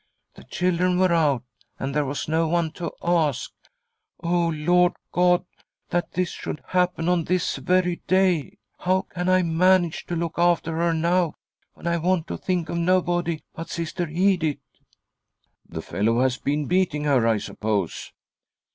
The children were out, and there was no one to ask. O Lord God, that this should happen on this very day. How can I manage to look after her now, when I want to think of nobody but Sister Edith ?"" The fellow has been beating her, I suppose."